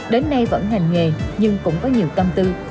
đến nay vẫn ngành nghề nhưng cũng có nhiều tâm tư